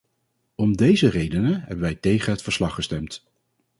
Om deze redenen hebben wij tegen het verslag gestemd.